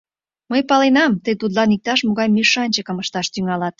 Мый паленам, тый тудлан иктаж-могай мешанчыкым ышташ тӱҥалат.